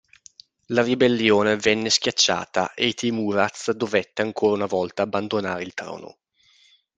La ribellione venne schiacciata e Teimuraz dovette ancora una volta abbandonare il trono.